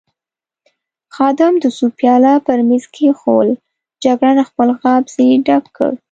خادم د سوپ پیاله پر مېز کېښوول، جګړن خپل غاب ځنې ډک کړ.